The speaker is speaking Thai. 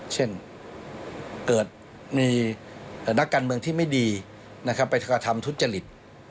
เช่นเกิดอยู่นักการเมืองที่ไม่ดีไปทำทุจจฤทธิ์